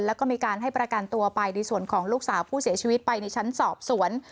แล้วก็มีการให้ประกันตัวไปในส่วนของลูกสาวผู้เสียชีวิตไปในชั้นสอบสวน